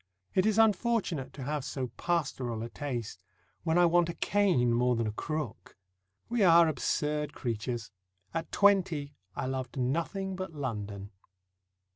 It is unfortunate to have so pastoral a taste, when I want a cane more than a crook. We are absurd creatures; at twenty I loved nothing but London.